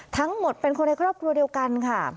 ทั้งหมดเป็นคนในครอบครัวเดียวกันค่ะ